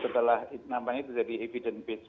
setelah namanya jadi evidence based